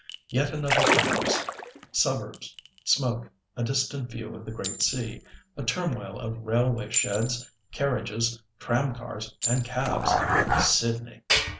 Yet another terminus, suburbs, smoke, a distant view of the great sea, a turmoil of railway sheds, carriages, tramcars, and cabs—Sydney!